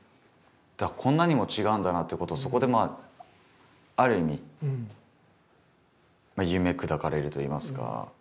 こんなにも違うんだなということをそこでまあある意味夢砕かれるといいますか。